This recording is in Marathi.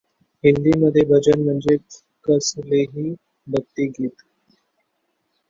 हिंदीमध्ये भजन म्हणजे कसलेही भक्तिगीत.